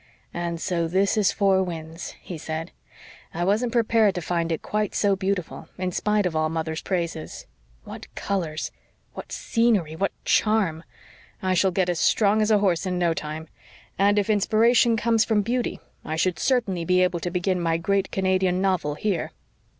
"And so this is Four Winds," he said. "I wasn't prepared to find it quite so beautiful, in spite of all mother's praises. What colors what scenery what charm! I shall get as strong as a horse in no time. And if inspiration comes from beauty, I should certainly be able to begin my great Canadian novel here."